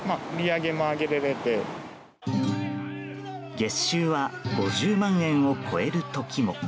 月収は５０万円を超える時も。